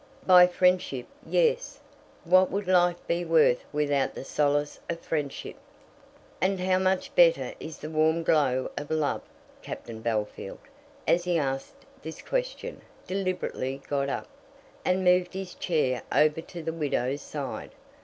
"By friendship, yes. What would life be worth without the solace of friendship?" "And how much better is the warm glow of love?" Captain Bellfield, as he asked this question, deliberately got up, and moved his chair over to the widow's side.